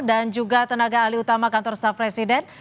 dan juga tenaga ahli utama kantor staff presiden